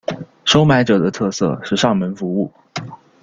收买者的特色是上门服务。